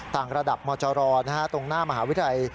ต่างระดับมจรตรงหน้ามหาวิทยาลัย